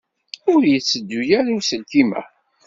Ur yetteddu ara uselkim-a.